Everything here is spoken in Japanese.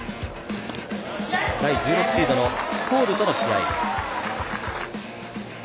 第１６シードのポールとの試合。